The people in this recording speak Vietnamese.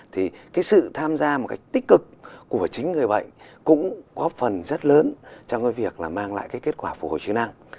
thì cái sự tham gia một cách tích cực của chính người bệnh cũng góp phần rất lớn trong cái việc là mang lại cái kết quả phục hồi chức năng